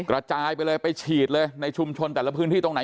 กระจายไปเลยไปฉีดเลยในชุมชนแต่ละพื้นที่ตรงไหน